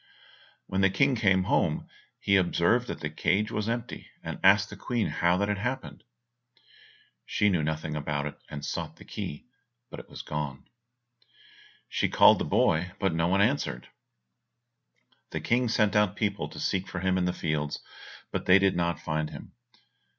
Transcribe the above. When the King came home, he observed the empty cage, and asked the Queen how that had happened? She knew nothing about it, and sought the key, but it was gone. She called the boy, but no one answered. The King sent out people to seek for him in the fields, but they did not find him.